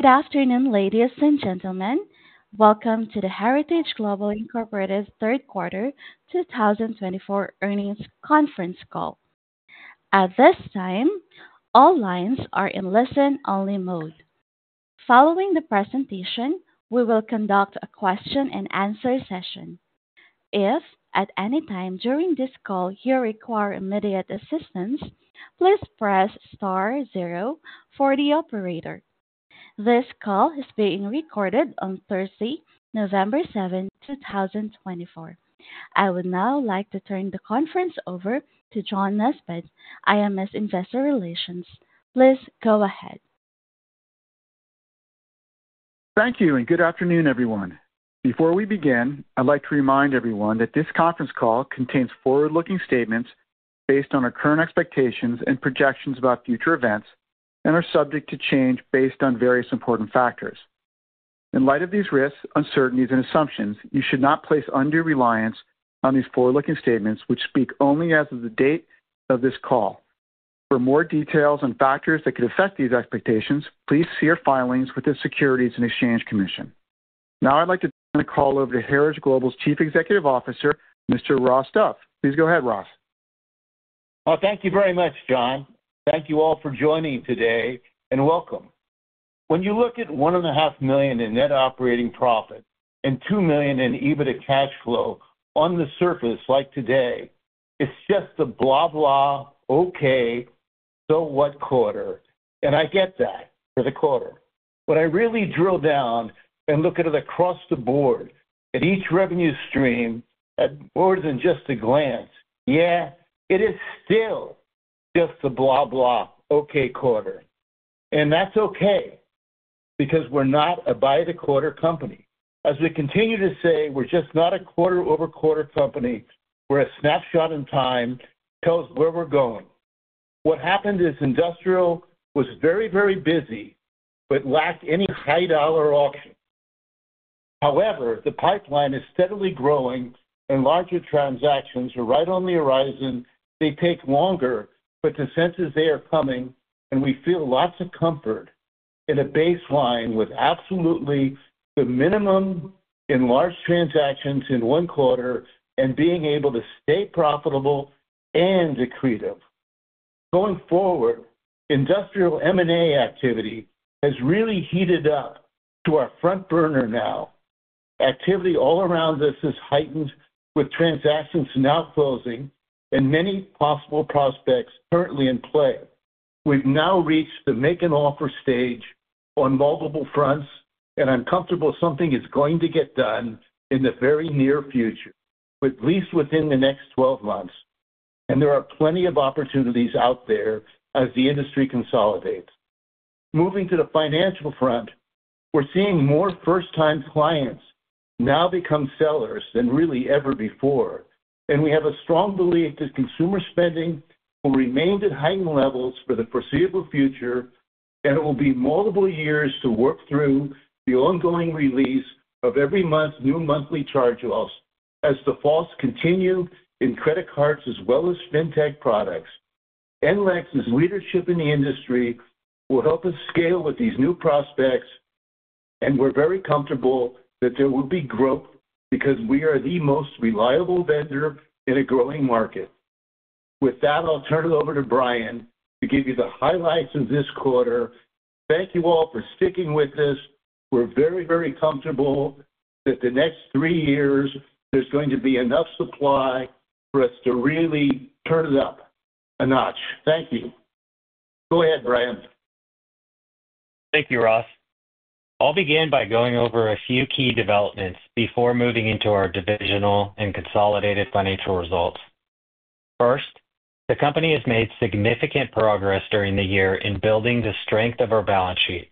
Good afternoon, ladies and gentlemen. Welcome to the Heritage Global Incorporated's third Quarter 2024 Earnings conference call. At this time, all lines are in listen-only mode. Following the presentation, we will conduct a question-and-answer session. If, at any time during this call, you require immediate assistance, please press star zero for the operator. This call is being recorded on Thursday, November 7, 2024. I would now like to turn the conference over to John Nesbett, IMS Investor Relations. Please go ahead. Thank you, and good afternoon, everyone. Before we begin, I'd like to remind everyone that this conference call contains forward-looking statements based on our current expectations and projections about future events and are subject to change based on various important factors. In light of these risks, uncertainties, and assumptions, you should not place undue reliance on these forward-looking statements, which speak only as of the date of this call. For more details on factors that could affect these expectations, please see our filings with the Securities and Exchange Commission. Now, I'd like to turn the call over to Heritage Global's Chief Executive Officer, Mr. Ross Dove. Please go ahead, Ross. Thank you very much, John. Thank you all for joining today, and welcome. When you look at $1.5 million in net operating profit and $2 million in EBITDA cash flow on the surface, like today, it's just the blah, blah, okay, so what quarter. I get that for the quarter. I really drill down and look at it across the board at each revenue stream at more than just a glance. Yeah, it is still just the blah, blah, okay quarter. That's okay because we're not a by-the-quarter company. As we continue to say, we're just not a quarter-over-quarter company. We're a snapshot in time that tells where we're going. What happened is industrial was very, very busy, but lacked any high-dollar auction. However, the pipeline is steadily growing, and larger transactions are right on the horizon. They take longer, but the sense is they are coming, and we feel lots of comfort in a baseline with absolutely the minimum in large transactions in one quarter and being able to stay profitable and accretive. Going forward, industrial M&A activity has really heated up to our front burner now. Activity all around us is heightened with transactions now closing and many possible prospects currently in play. We've now reached the make an offer stage on multiple fronts, and I'm comfortable something is going to get done in the very near future, at least within the next 12 months, and there are plenty of opportunities out there as the industry consolidates. Moving to the financial front, we're seeing more first-time clients now become sellers than really ever before. And we have a strong belief that consumer spending will remain at heightened levels for the foreseeable future, and it will be multiple years to work through the ongoing release of every month's new monthly charge-offs as the defaults continue in credit cards as well as fintech products. NLEX's leadership in the industry will help us scale with these new prospects, and we're very comfortable that there will be growth because we are the most reliable vendor in a growing market. With that, I'll turn it over to Brian to give you the highlights of this quarter. Thank you all for sticking with us. We're very, very comfortable that the next three years there's going to be enough supply for us to really turn it up a notch. Thank you. Go ahead, Brian. Thank you, Ross. I'll begin by going over a few key developments before moving into our divisional and consolidated financial results. First, the company has made significant progress during the year in building the strength of our balance sheet.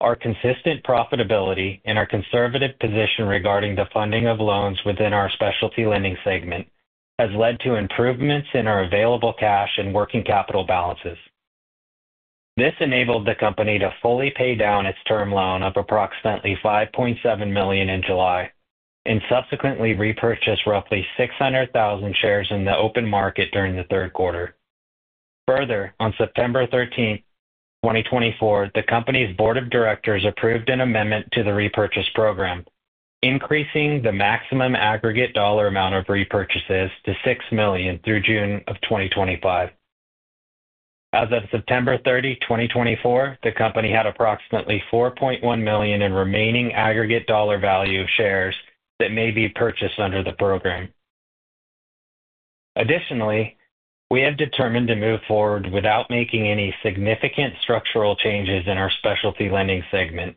Our consistent profitability and our conservative position regarding the funding of loans within our Specialty Lending segment has led to improvements in our available cash and working capital balances. This enabled the company to fully pay down its term loan of approximately $5.7 million in July and subsequently repurchase roughly 600,000 shares in the open market during the third quarter. Further, on September 13th, 2024, the company's board of directors approved an amendment to the repurchase program, increasing the maximum aggregate dollar amount of repurchases to $6 million through June of 2025. As of September 30, 2024, the company had approximately $4.1 million in remaining aggregate dollar value of shares that may be purchased under the program. Additionally, we have determined to move forward without making any significant structural changes in our Specialty Lending segment.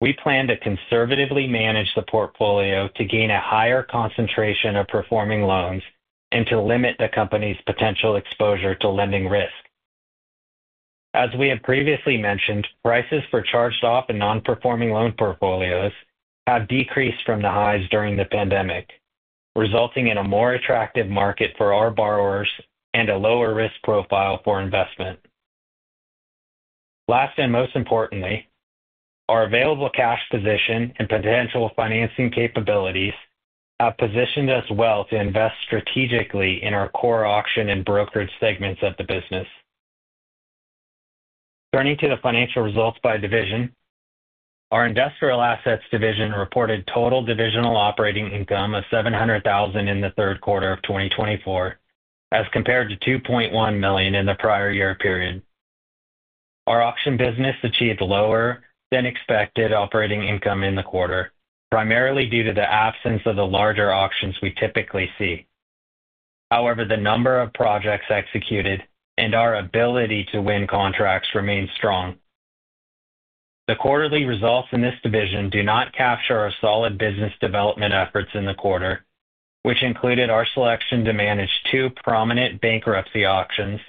We plan to conservatively manage the portfolio to gain a higher concentration of performing loans and to limit the company's potential exposure to lending risk. As we have previously mentioned, prices for charged-off and non-performing loan portfolios have decreased from the highs during the pandemic, resulting in a more attractive market for our borrowers and a lower risk profile for investment. Last and most importantly, our available cash position and potential financing capabilities have positioned us well to invest strategically in our core auction and brokerage segments of the business. Turning to the financial results by division, our Industrial Assets division reported total divisional operating income of $700,000 in the third quarter of 2024, as compared to $2.1 million in the prior year period. Our auction business achieved lower-than-expected operating income in the quarter, primarily due to the absence of the larger auctions we typically see. However, the number of projects executed and our ability to win contracts remained strong. The quarterly results in this division do not capture our solid business development efforts in the quarter, which included our selection to manage two prominent bankruptcy auctions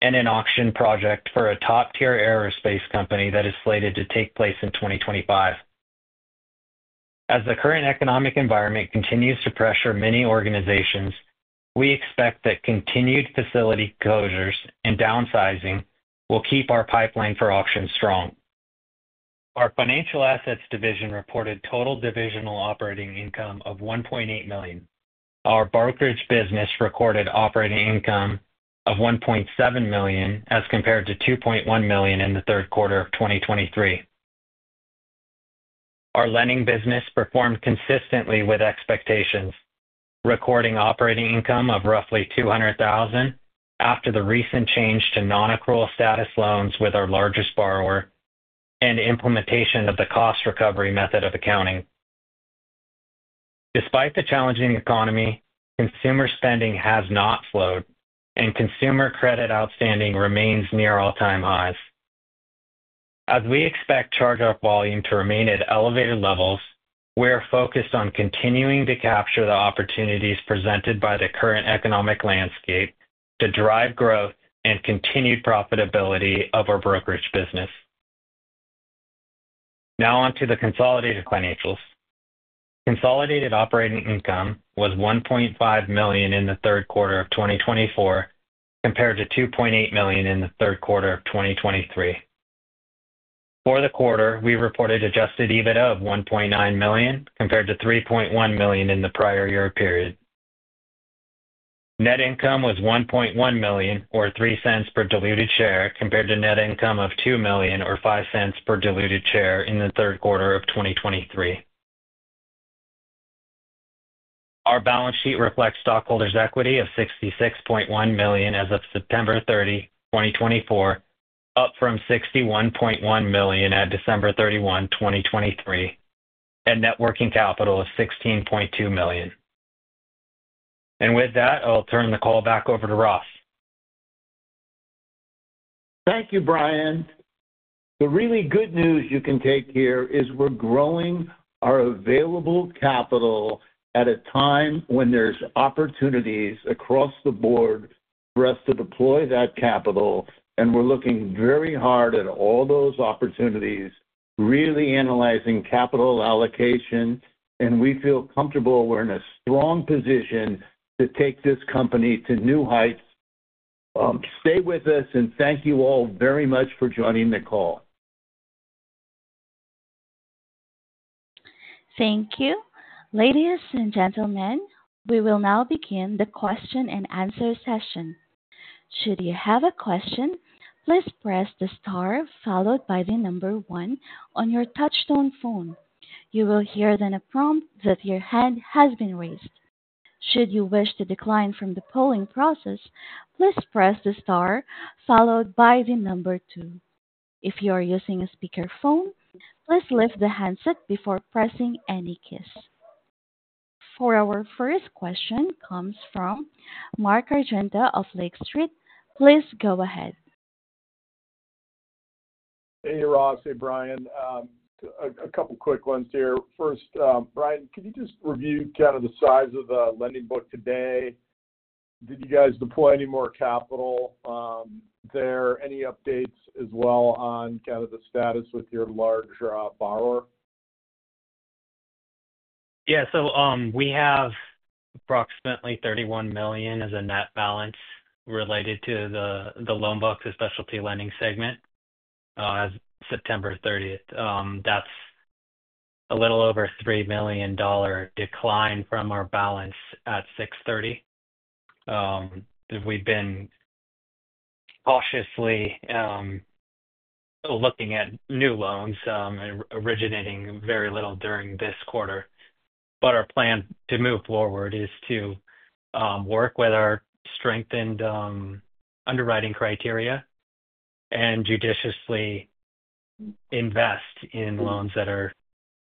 and an auction project for a top-tier aerospace company that is slated to take place in 2025. As the current economic environment continues to pressure many organizations, we expect that continued facility closures and downsizing will keep our pipeline for auctions strong. Our Financial Assets division reported total divisional operating income of $1.8 million. Our brokerage business recorded operating income of $1.7 million as compared to $2.1 million in the third quarter of 2023. Our lending business performed consistently with expectations, recording operating income of roughly $200,000 after the recent change to non-accrual status loans with our largest borrower and implementation of the cost recovery method of accounting. Despite the challenging economy, consumer spending has not slowed, and consumer credit outstanding remains near all-time highs. As we expect charge-off volume to remain at elevated levels, we are focused on continuing to capture the opportunities presented by the current economic landscape to drive growth and continued profitability of our brokerage business. Now on to the consolidated financials. Consolidated operating income was $1.5 million in the third quarter of 2024 compared to $2.8 million in the third quarter of 2023. For the quarter, we reported Adjusted EBITDA of $1.9 million compared to $3.1 million in the prior year period. Net income was $1.1 million, or $0.03 per diluted share, compared to net income of $2 million, or $0.05 per diluted share in the third quarter of 2023. Our balance sheet reflects stockholders' equity of $66.1 million as of September 30, 2024, up from $61.1 million at December 31, 2023, and net working capital of $16.2 million. And with that, I'll turn the call back over to Ross. Thank you, Brian. The really good news you can take here is we're growing our available capital at a time when there's opportunities across the board for us to deploy that capital, and we're looking very hard at all those opportunities, really analyzing capital allocation, and we feel comfortable we're in a strong position to take this company to new heights. Stay with us, and thank you all very much for joining the call. Thank you. Ladies and gentlemen, we will now begin the question-and-answer session. Should you have a question, please press the star followed by the number one on your touch-tone phone. You will then hear a prompt that your hand has been raised. Should you wish to decline from the polling process, please press the star followed by the number two. If you are using a speakerphone, please lift the handset before pressing any keys. For our first question comes from Mark Argento of Lake Street. Please go ahead. Hey, Ross. Hey, Brian. A couple of quick ones here. First, Brian, can you just review kind of the size of the lending book today? Did you guys deploy any more capital there? Any updates as well on kind of the status with your large borrower? Yeah. So we have approximately $31 million as a net balance related to the loan books, the Specialty Lending segment, as of September 30th. That's a little over $3 million decline from our balance at June 30. We've been cautiously looking at new loans originating very little during this quarter. But our plan to move forward is to work with our strengthened underwriting criteria and judiciously invest in loans that are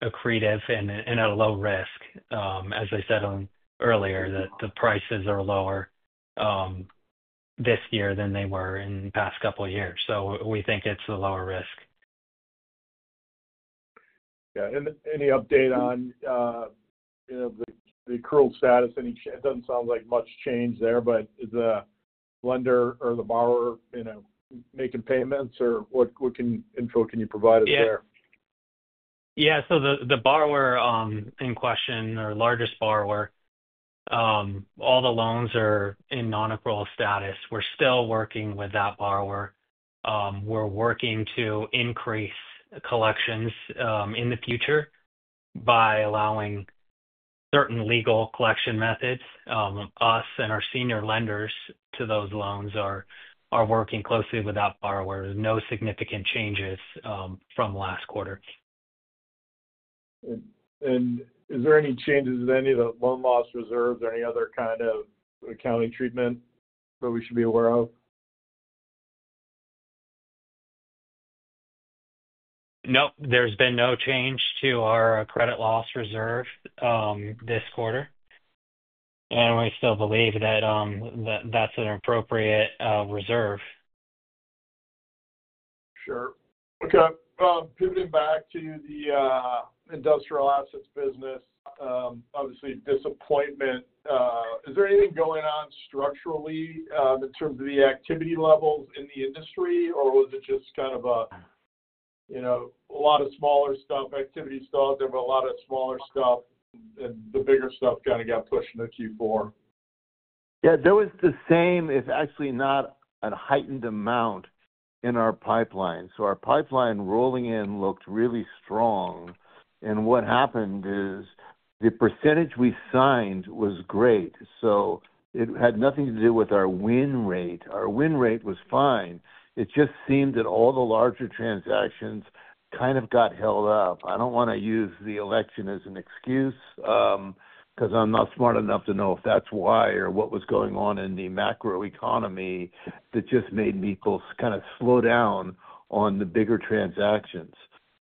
accretive and at a low risk. As I said earlier, the prices are lower this year than they were in the past couple of years. So we think it's a lower risk. Yeah, and any update on the accrual status? It doesn't sound like much change there, but is the lender or the borrower making payments, or what info can you provide us there? Yeah. Yeah. So the borrower in question, our largest borrower, all the loans are in non-accrual status. We're still working with that borrower. We're working to increase collections in the future by allowing certain legal collection methods. Us and our senior lenders to those loans are working closely with that borrower. No significant changes from last quarter. Is there any changes in any of the loan loss reserves or any other kind of accounting treatment that we should be aware of? Nope. There's been no change to our credit loss reserve this quarter, and we still believe that that's an appropriate reserve. Sure. Okay. Pivoting back to the industrial assets business, obviously, disappointment. Is there anything going on structurally in terms of the activity levels in the industry, or was it just kind of a lot of smaller stuff, and the bigger stuff kind of got pushed into Q4? Yeah. There was the same. It's actually not a heightened amount in our pipeline. So our pipeline rolling in looked really strong. And what happened is the percentage we signed was great. So it had nothing to do with our win rate. Our win rate was fine. It just seemed that all the larger transactions kind of got held up. I don't want to use the election as an excuse because I'm not smart enough to know if that's why or what was going on in the macro economy that just made me kind of slow down on the bigger transactions.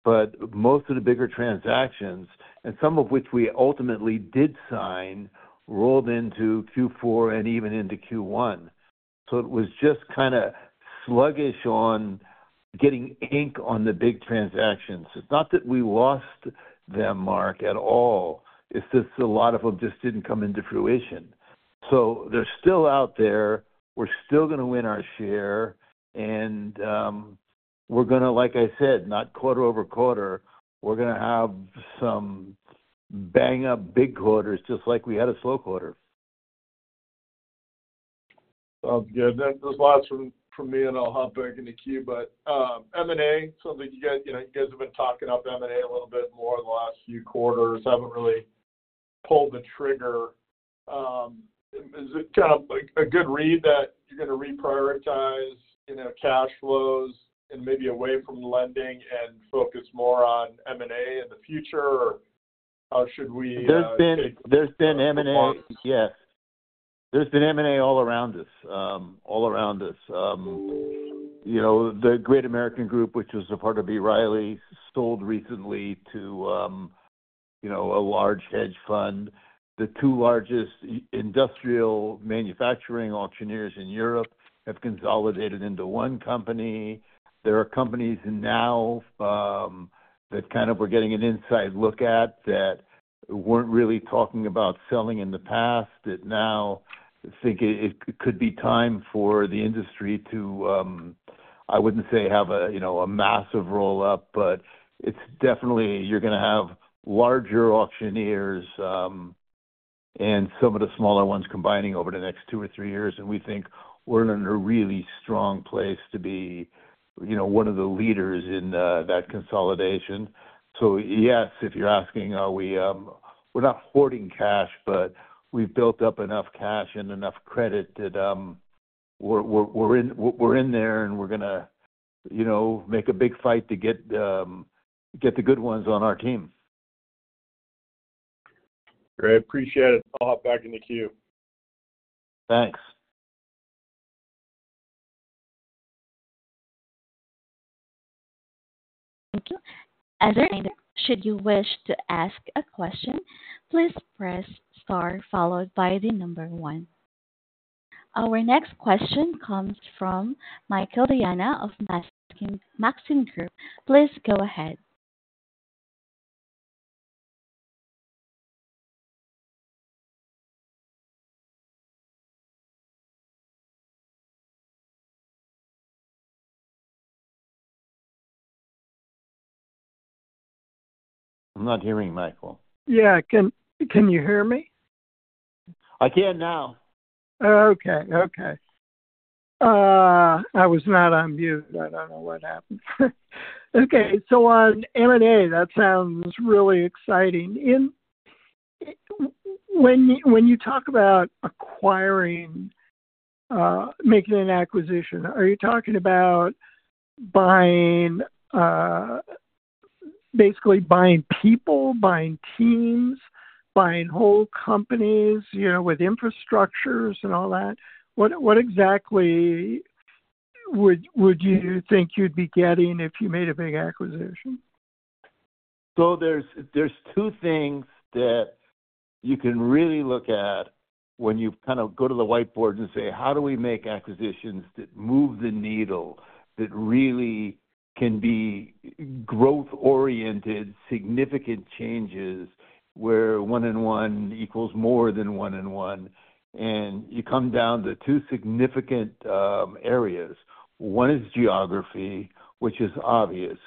But most of the bigger transactions, and some of which we ultimately did sign, rolled into Q4 and even into Q1. So it was just kind of sluggish on getting ink on the big transactions. It's not that we lost them, Mark, at all. It's just a lot of them just didn't come into fruition. So they're still out there. We're still going to win our share, and we're going to, like I said, not quarter-over-quarter, we're going to have some bang-up big quarters just like we had a slow quarter. Sounds good. There's lots from me, and I'll hop back into queue. But M&A, something you guys have been talking up M&A a little bit more in the last few quarters, haven't really pulled the trigger. Is it kind of a good read that you're going to reprioritize cash flows and maybe away from lending and focus more on M&A in the future, or how should we? There's been M&A, yes. There's been M&A all around us, all around us. The Great American Group, which was a part of B. Riley, sold recently to a large hedge fund. The two largest industrial manufacturing auctioneers in Europe have consolidated into one company. There are companies now that kind of we're getting an inside look at that weren't really talking about selling in the past that now think it could be time for the industry to, I wouldn't say have a massive roll-up, but it's definitely you're going to have larger auctioneers and some of the smaller ones combining over the next two or three years, and we think we're in a really strong place to be one of the leaders in that consolidation. Yes, if you're asking, are we? We're not hoarding cash, but we've built up enough cash and enough credit that we're in there, and we're going to make a big fight to get the good ones on our team. Great. Appreciate it. I'll hop back into queue. Thanks. Thank you. As a reminder, should you wish to ask a question, please press star followed by the number one. Our next question comes from Michael Diana of Maxim Group. Please go ahead. I'm not hearing Michael. Yeah. Can you hear me? I can now. Okay. I was not on mute. I don't know what happened. Okay. So on M&A, that sounds really exciting. When you talk about acquiring, making an acquisition, are you talking about basically buying people, buying teams, buying whole companies with infrastructures and all that? What exactly would you think you'd be getting if you made a big acquisition? So there's two things that you can really look at when you kind of go to the whiteboard and say, "How do we make acquisitions that move the needle, that really can be growth-oriented, significant changes where one-on-one equals more than one-on-one?" And you come down to two significant areas. One is geography, which is obvious.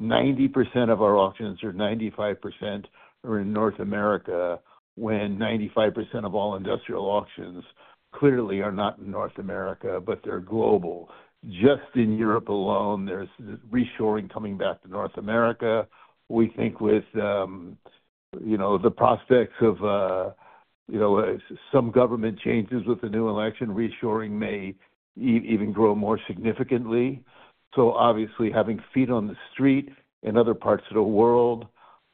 90% of our auctions, or 95%, are in North America when 95% of all industrial auctions clearly are not in North America, but they're global. Just in Europe alone, there's reshoring coming back to North America. We think with the prospects of some government changes with the new election, reshoring may even grow more significantly. So obviously, having feet on the street in other parts of the world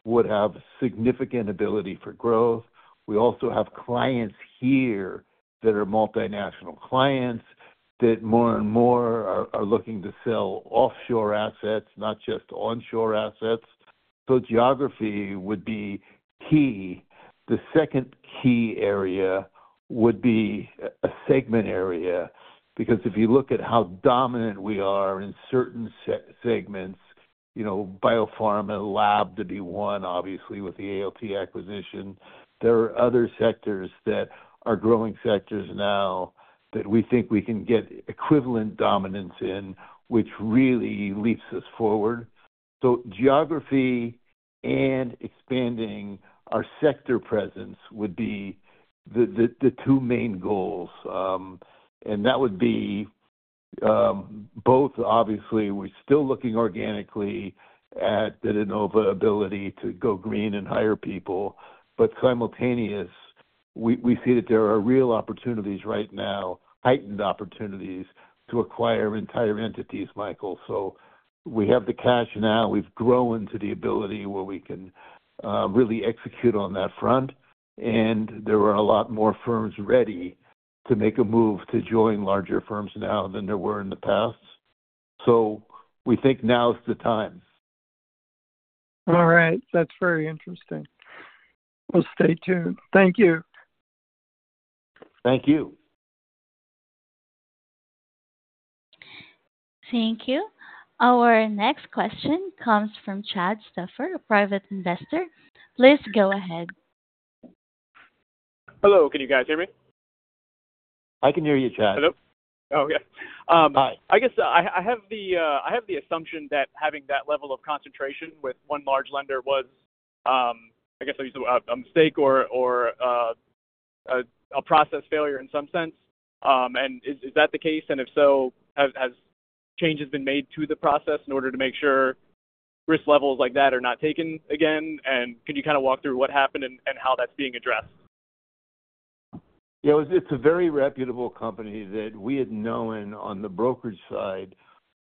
would have significant ability for growth. We also have clients here that are multinational clients that more and more are looking to sell offshore assets, not just onshore assets. So geography would be key. The second key area would be a segment area because if you look at how dominant we are in certain segments, biopharma lab to be one, obviously, with the ALT acquisition. There are other sectors that are growing sectors now that we think we can get equivalent dominance in, which really leads us forward. So geography and expanding our sector presence would be the two main goals. And that would be both, obviously, we're still looking organically at the de novo ability to go green and hire people, but simultaneously, we see that there are real opportunities right now, heightened opportunities to acquire entire entities, Michael. So we have the cash now. We've grown to the ability where we can really execute on that front. And there are a lot more firms ready to make a move to join larger firms now than there were in the past. So we think now's the time. All right. That's very interesting. Well, stay tuned. Thank you. Thank you. Thank you. Our next question comes from Chad Stauffer, a private investor. Please go ahead. Hello. Can you guys hear me? I can hear you, Chad. Hello. Okay. I guess I have the assumption that having that level of concentration with one large lender was, I guess I'll use a mistake or a process failure in some sense. And is that the case? And if so, have changes been made to the process in order to make sure risk levels like that are not taken again? And can you kind of walk through what happened and how that's being addressed? Yeah. It's a very reputable company that we had known on the brokerage side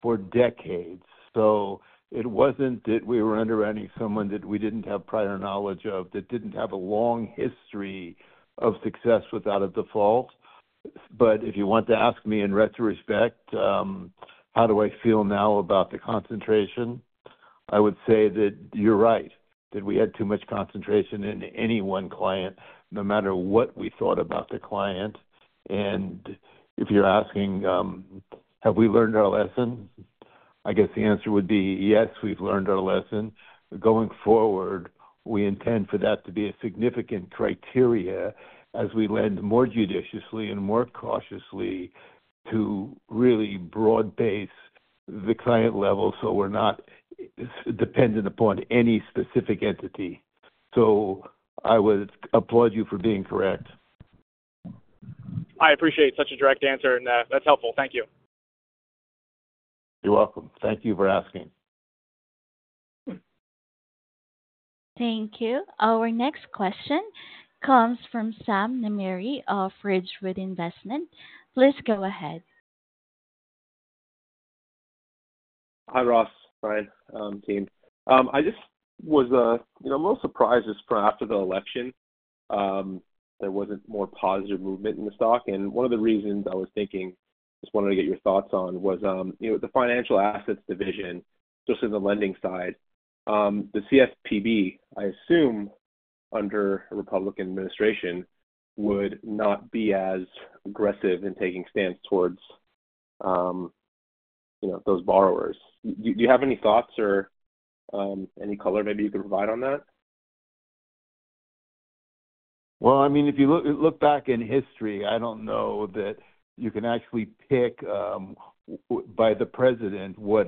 for decades. So it wasn't that we were underwriting someone that we didn't have prior knowledge of, that didn't have a long history of success without a default. But if you want to ask me in retrospect, how do I feel now about the concentration, I would say that you're right, that we had too much concentration in any one client, no matter what we thought about the client. And if you're asking, have we learned our lesson? I guess the answer would be, yes, we've learned our lesson. Going forward, we intend for that to be a significant criteria as we lend more judiciously and more cautiously to really broad-based the client level so we're not dependent upon any specific entity. So I would applaud you for being correct. I appreciate such a direct answer, and that's helpful. Thank you. You're welcome. Thank you for asking. Thank you. Our next question comes from Sam Namiri of Ridgewood Investments. Please go ahead. Hi, Ross. Hi, team. I just was a little surprised as for after the election, there wasn't more positive movement in the stock. And one of the reasons I was thinking, just wanted to get your thoughts on, was the Financial Assets division, especially the lending side, the CFPB. I assume under a Republican administration, would not be as aggressive in taking stance towards those borrowers. Do you have any thoughts or any color maybe you could provide on that? Well, I mean, if you look back in history, I don't know that you can actually pick by the president what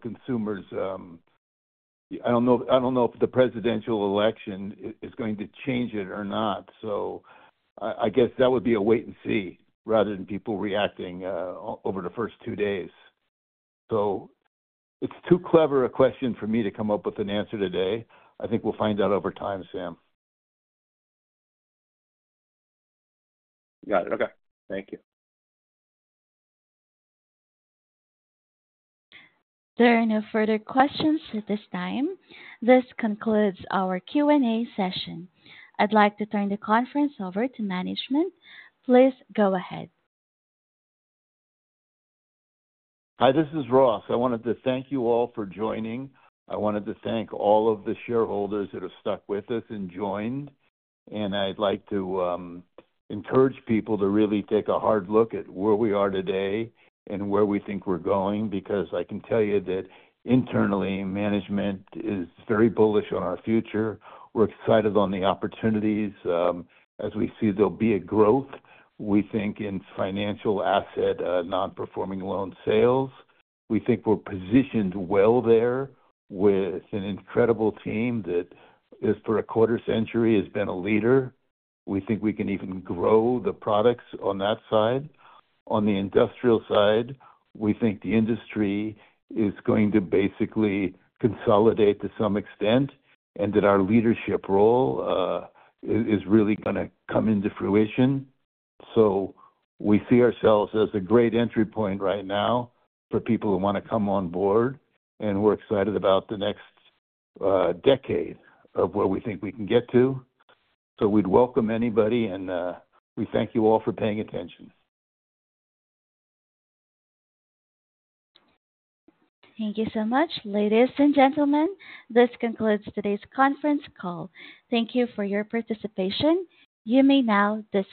consumers. I don't know if the presidential election is going to change it or not. So I guess that would be a wait and see rather than people reacting over the first two days. So it's too clever a question for me to come up with an answer today. I think we'll find out over time, Sam. Got it. Okay. Thank you. There are no further questions at this time. This concludes our Q&A session. I'd like to turn the conference over to management. Please go ahead. Hi, this is Ross. I wanted to thank you all for joining. I wanted to thank all of the shareholders that have stuck with us and joined, and I'd like to encourage people to really take a hard look at where we are today and where we think we're going because I can tell you that internally, management is very bullish on our future. We're excited on the opportunities as we see there'll be a growth, we think, in financial asset non-performing loan sales. We think we're positioned well there with an incredible team that for a quarter century has been a leader. We think we can even grow the products on that side. On the industrial side, we think the industry is going to basically consolidate to some extent and that our leadership role is really going to come into fruition. We see ourselves as a great entry point right now for people who want to come on board. We're excited about the next decade of where we think we can get to. We'd welcome anybody, and we thank you all for paying attention. Thank you so much, ladies and gentlemen. This concludes today's conference call. Thank you for your participation. You may now disconnect.